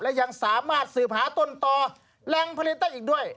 และยังสามารถสืบหาต้นต่อแหล่งผลิตได้อีกด้วย